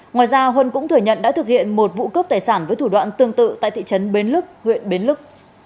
ngoài ra huân cũng thừa nhận đã thực hiện một vụ cướp tài sản với thủ đoạn tương tự tại thị trấn bến lức huyện bến lức